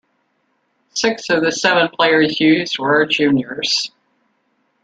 Six of the seven players used were juniors.